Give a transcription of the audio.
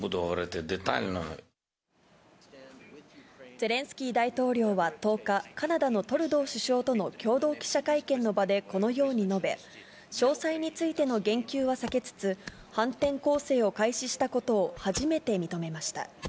ゼレンスキー大統領は１０日、カナダのトルドー首相との共同記者会見の場でこのように述べ、詳細についての言及は避けつつ、反転攻勢を開始したことを初めて認めました。